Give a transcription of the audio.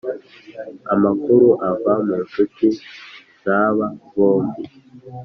amakuru ava munshuti zaaba bombi